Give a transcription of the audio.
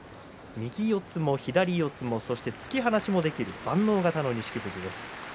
右四つも、左四つも突き放しもできる万能型の錦富士です。